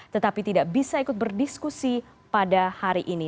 tetapi tidak bisa ikut berdiskusi pada hari ini